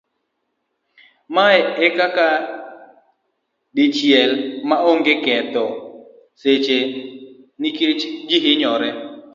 Mae to nyaka tim dichiel ma onge ketho seche nikech ji hinyore.